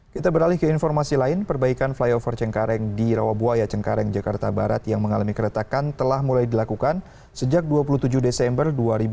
kita beralih ke informasi lain perbaikan flyover cengkareng di rawabuaya cengkareng jakarta barat yang mengalami keretakan telah mulai dilakukan sejak dua puluh tujuh desember dua ribu dua puluh